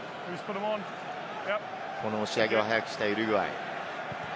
この押し上げを早くしたいウルグアイ。